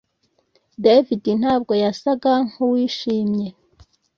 David ntabwo yasaga nkuwishimye